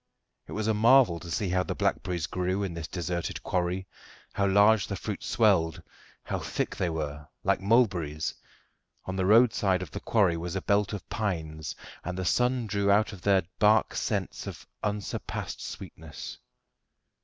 It was a marvel to see how the blackberries grew in this deserted quarry; how large the fruit swelled, how thick they were like mulberries. On the road side of the quarry was a belt of pines, and the sun drew out of their bark scents of unsurpassed sweetness.